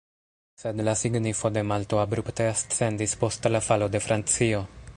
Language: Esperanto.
Sed la signifo de Malto abrupte ascendis post la falo de Francio.